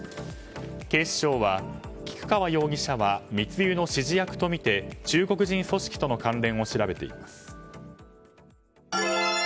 警視庁は、菊川容疑者は密輸の指示役とみて中国人組織との関連を調べています。